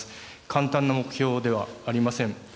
簡単な目標ではありません。